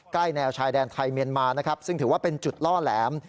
ใกล้แนวชายแดนไทยเมียนมาซึ่งถือว่าเป็นจุดล่อแหลม